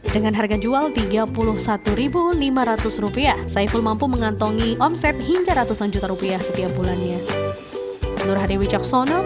dengan harga jual rp tiga puluh satu lima ratus saiful mampu mengantongi omset hingga ratusan juta rupiah setiap bulannya